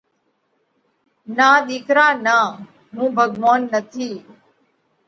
نان ۮِيڪرا نان، هُون ڀڳوونَ نٿِي۔